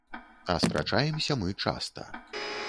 А спрачаемся мы часта.